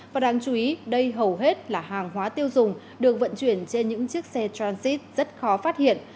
và đáng chú ý đây hầu hết là hàng hóa tiêu dùng được vận chuyển trên những chiếc xe transit rất khó phát hiện